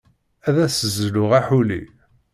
Ad as-zluɣ aḥuli.